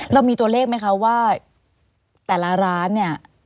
เรามีตัวเลขไหมคะว่าแต่ละร้านเนี่ย